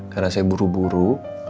karena saya buru buru